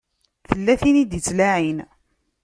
Tella tin i d-ittlaɛin.